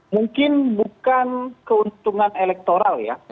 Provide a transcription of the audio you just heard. mungkin bukan keuntungan elektoral ya